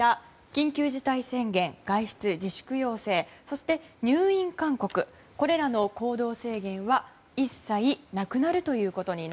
緊急事態宣言、外出自粛要請そして、入院勧告これらの行動制限は一切なくなります。